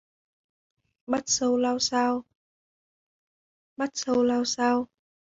Bắt sâu lao xao